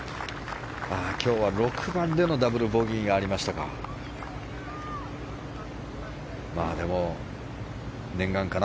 今日は６番でのダブルボギーがありましたか。